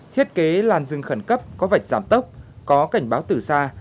thiết kế làn dưng khẩn cấp có vạch giảm tốc có cảnh báo tử xa